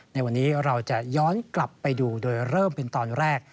ในวันนี้เราจะย้อนกลับไปดูโดยเริ่มเป็นตอนแรก